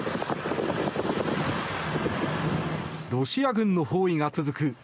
ロシア軍の包囲が続く